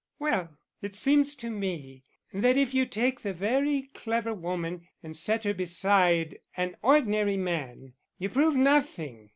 "Well, it seems to me that if you take the very clever woman and set her beside an ordinary man, you prove nothing.